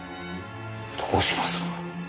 どうします？